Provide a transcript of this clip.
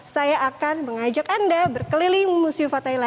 saya akan mengajak anda berkeliling museum fathailand